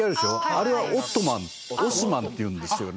あれは「オットマン」「オスマン」というんですよね。